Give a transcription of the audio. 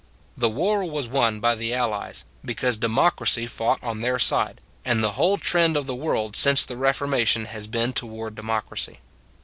The war was won by the Allies, be cause democracy fought on their side, and the whole trend of the world since the Re formation has been toward democracy.